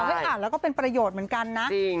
ได้อ่านแล้วก็เป็นประโยชน์เหมือนกันนะ